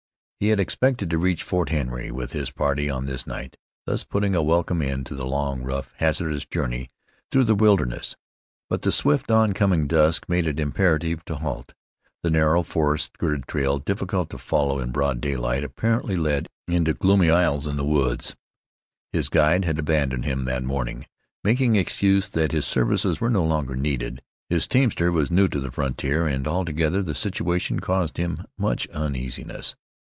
He had expected to reach Fort Henry with his party on this night, thus putting a welcome end to the long, rough, hazardous journey through the wilderness; but the swift, on coming dusk made it imperative to halt. The narrow, forest skirted trail, difficult to follow in broad daylight, apparently led into gloomy aisles in the woods. His guide had abandoned him that morning, making excuse that his services were no longer needed; his teamster was new to the frontier, and, altogether, the situation caused him much uneasiness.